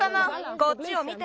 こっちを見て！